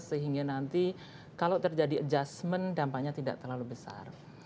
sehingga nanti kalau terjadi adjustment dampaknya tidak terlalu besar